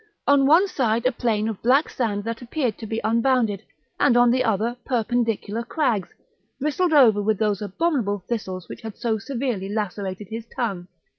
on one side a plain of black sand that appeared to be unbounded, and on the other perpendicular crags, bristled over with those abominable thistles which had so severely lacerated his tongue.